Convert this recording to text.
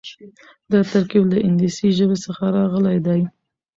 دا ترکيب له انګليسي ژبې څخه راغلی دی.